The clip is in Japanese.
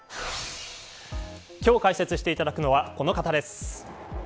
今日、解説していただくのはこの方です。